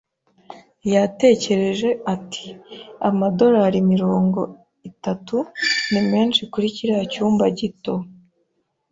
Yatekereje ati: "Amadolari mirongo itatu ni menshi kuri kiriya cyumba gito".